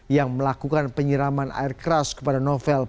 yang melakukan penyiraman air keras kepada novel